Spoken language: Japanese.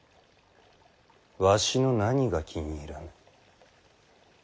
わしの何が気に入らぬ。